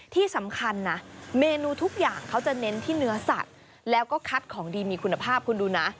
ที่สำคัญนะเมนูทุกอย่างเขาจะเน้นที่เนื้อสัตว์แล้วก็คัดของดีมีคุณภาพคุณดูนะ